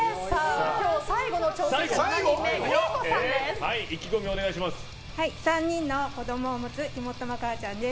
今日最後の挑戦者７人目、けいこさんです。